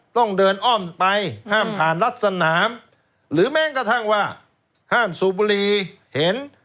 ต้องเดินอ้อมไปห้ามผ่านรัดสนามหรือแม้กระทั่งว่าห้ามสูบบุรีเห็น